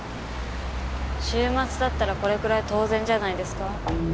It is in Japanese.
週末だったらこれくらい当然じゃないですか？